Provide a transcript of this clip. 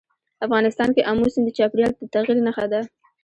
افغانستان کې آمو سیند د چاپېریال د تغیر نښه ده.